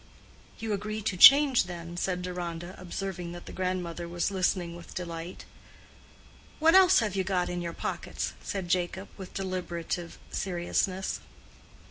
"You agree to change, then?" said Deronda, observing that the grandmother was listening with delight. "What else have you got in your pockets?" said Jacob, with deliberative seriousness.